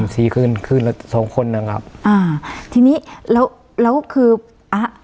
สี่คืนคืนแล้วสองคนอ่ะครับอ่าทีนี้แล้วแล้วคืออ่ะ